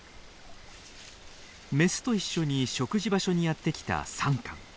メスと一緒に食事場所にやって来たサンカン。